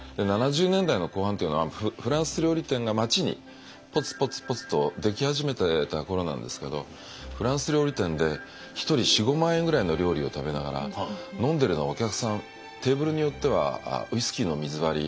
７０年代の後半っていうのはフランス料理店が街にポツポツポツと出来始めてた頃なんですけどフランス料理店で１人４５万円ぐらいの料理を食べながら飲んでるのはお客さんテーブルによってはウイスキーの水割り